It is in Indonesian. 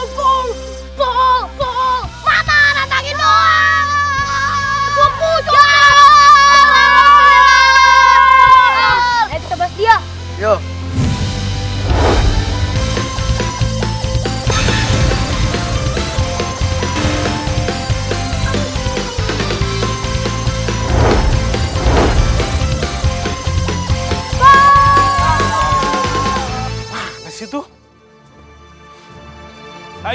sampai jumpa di video selanjutnya